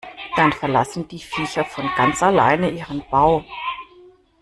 Dann verlassen die Viecher von ganz alleine ihren Bau.